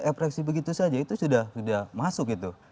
epreksi begitu saja itu sudah masuk gitu